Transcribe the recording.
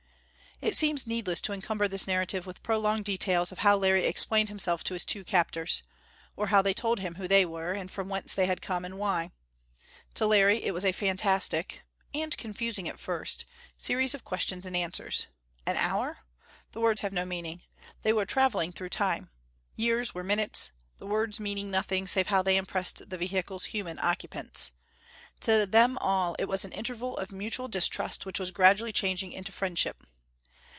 It seems needless to encumber this narrative with prolonged details of how Larry explained himself to his two captors. Or how they told him who they were; and from whence they had come; and why. To Larry it was a fantastic and confusing at first series of questions and answers. An hour? The words have no meaning. They were traveling through Time. Years were minutes the words meaning nothing save how they impressed the vehicle's human occupants. To them all it was an interval of mutual distrust which was gradually changing into friendship.